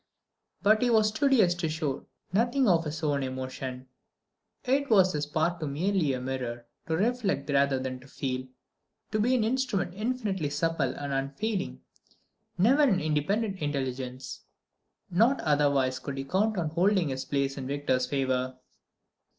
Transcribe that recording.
But he was studious to show nothing of his own emotion. It was his part to be merely a mirror, to reflect rather than to feel, to be an instrument infinitely supple and unfailing, never an independent intelligence. Not otherwise could he count on holding his place in Victor's favour.